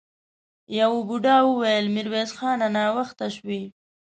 يوه بوډا وويل: ميرويس خانه! ناوخته شوې!